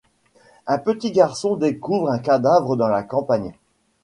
Un petit garçon découvre un cadavre dans la campagne.